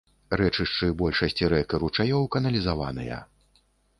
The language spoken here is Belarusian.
Рэчышчы большасці рэк і ручаёў каналізаваныя.